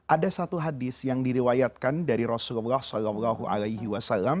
ada satu hadis yang diriwayatkan dari rasulullah saw